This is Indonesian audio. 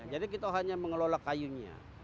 jadi kita hanya mengelola kayunya